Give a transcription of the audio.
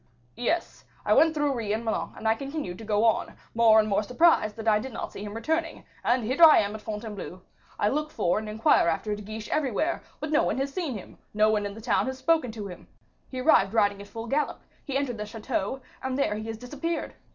"Yes, I went through Ris and Melun, and I continued to go on, more and more surprised that I did not see him returning; and here I am at Fontainebleau; I look for and inquire after De Guiche everywhere, but no one has seen him, no one in the town has spoken to him; he arrived riding at full gallop, he entered the chateau; and there he has disappeared.